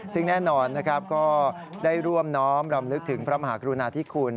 ซึ่งแน่นอนนะครับก็ได้ร่วมน้อมรำลึกถึงพระมหากรุณาธิคุณ